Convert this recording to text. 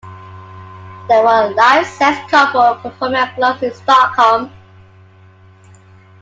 They were a live sex couple performing at clubs in Stockholm.